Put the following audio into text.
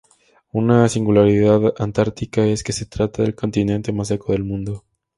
Una singularidad antártica es que se trata del continente más seco del mundo.